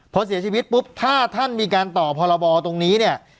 พอเสียชีวิตปุ๊บถ้าท่านมีการต่อพรบตรงนี้เนี่ย